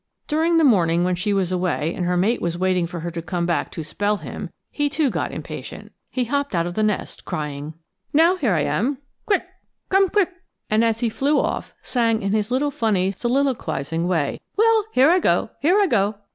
During the morning when she was away and her mate was waiting for her to come back to 'spell' him, he too got impatient. He hopped out of the nest crying, "Now here I am, quick, come quick!" and as he flew off, sang out in his funny little soliloquizing way, "Well, here I go; here I go!"